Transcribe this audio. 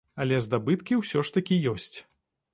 Але здабыткі усё ж такі ёсць.